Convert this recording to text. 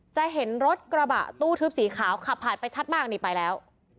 จะเห็นรถกระบะตู้ทึบสีขาวขับผ่านไปชัดมากนี่ไปแล้ว